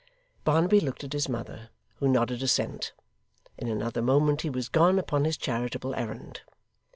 Barnaby looked at his mother, who nodded assent; in another moment he was gone upon his charitable errand.